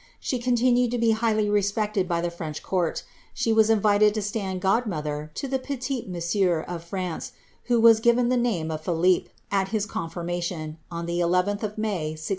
She coDtinued to be highly respected by the French court ; she was invited to stand god mother to the petit monsieur of France, who was given the name of Phillippe, at his confirmation, on the 1 1th of May, 16 18.